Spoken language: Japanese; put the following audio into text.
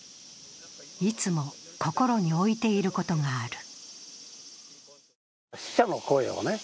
いつも心に置いていることがある。